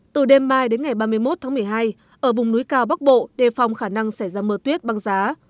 từ đêm mai đến ngày ba mươi một tháng một mươi hai ở vùng núi cao bắc bộ đề phòng khả năng xảy ra mưa tuyết băng giá